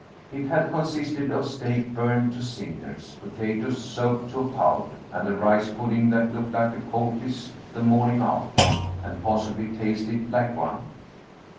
It had consisted of steak burned to cinders, potatoes soaked to a pulp, and a rice pudding that looked like a poultice the morning after, and possibly tasted like one.